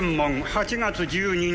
８月１２日